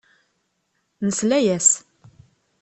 Nesla-as.